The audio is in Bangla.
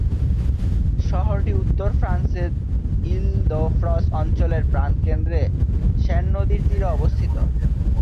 শহরটি উত্তর ফ্রান্সে ইল-দ্য-ফ্রঁস অঞ্চলের প্রাণকেন্দ্রে সেন নদীর তীরে অবস্থিত।